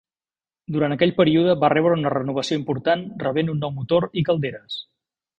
Durant aquell període va rebre una renovació important, rebent un nou motor i calderes.